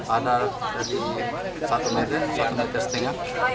ada dari satu meter satu meter setingga